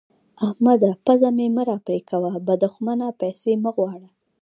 احمده! پزه مې مه راپرې کوه؛ به دوښمنه پيسې مه غواړه.